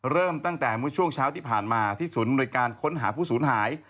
เริ่มตั้งแต่ช่วงเช้าที่ผ่านมาที่ศูนย์บริการค้นหาผู้ศูนย์หาย